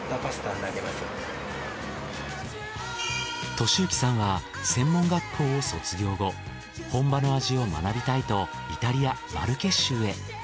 俊之さんは専門学校を卒業後本場の味を学びたいとイタリアマルケ州へ。